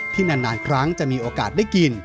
นานครั้งจะมีโอกาสได้กิน